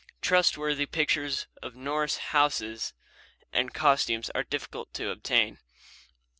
Trustworthy pictures of Norse houses and costumes are difficult to obtain.